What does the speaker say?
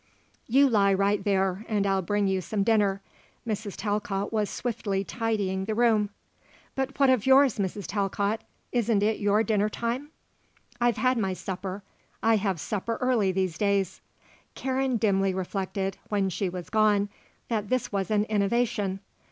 "You lie right there and I'll bring you some dinner." Mrs. Talcott was swiftly tidying the room. "But what of yours, Mrs. Talcott? Isn't it your dinner time?" "I've had my supper. I have supper early these days." Karen dimly reflected, when she was gone, that this was an innovation.